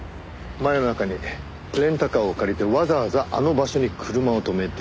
真夜中にレンタカーを借りてわざわざあの場所に車を止めていた。